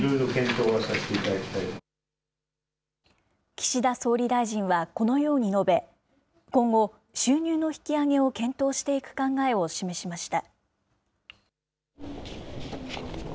岸田総理大臣はこのように述べ、今後、収入の引き上げを検討していく考えを示しました。